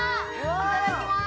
いただきます。